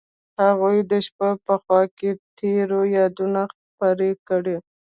هغوی د شپه په خوا کې تیرو یادونو خبرې کړې.